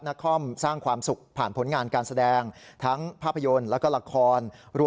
นครสร้างความสุขผ่านผลงานการแสดงทั้งภาพยนตร์แล้วก็ละคร